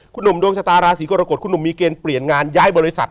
คุณหนุ่มดวงชะตาราศีกรกฎคุณหนุ่มมีเกณฑ์เปลี่ยนงานย้ายบริษัท